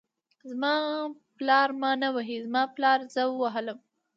زما پالر ما نه وهي، زما پالر زه ووهلم.